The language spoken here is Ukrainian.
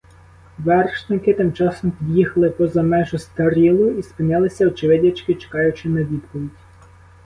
Вершники тим часом під'їхали поза межу стрілу і спинилися, очевидячки, чекаючи на відповідь.